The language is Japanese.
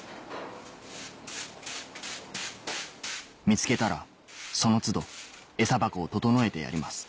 見つけたらその都度エサ箱を整えてやります